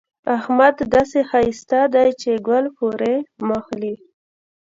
احمد داسې ښايسته دی چې ګل پورې مښلي.